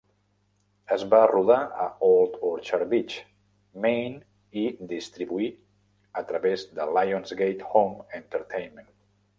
Es va rodar a Old Orchard Beach, Maine i distribuir a través de Lionsgate Home Entertainment.